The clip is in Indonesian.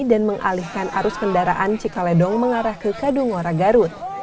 dan mengalihkan arus kendaraan cikaledong mengarah ke kadungora garut